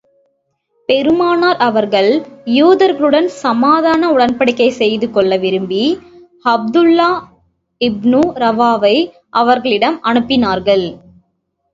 பெருமானார் அவர்கள், யூதர்களுடன் சமாதான உடன்படிக்கை செய்து கொள்ள விரும்பி, அப்துல்லாஹ் இப்னு ரவாஹாவை அவர்களிடம் அனுப்பினார்கள்.